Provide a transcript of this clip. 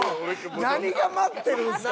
何が待ってるんすか？